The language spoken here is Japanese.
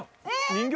人形？